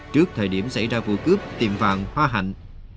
trước thời điểm xảy ra vụ cướp tiệm vàng hoa hạnh